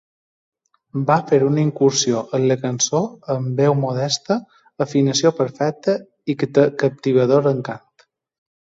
Va fer una incursió en la cançó amb veu modesta, afinació perfecta i captivador encant.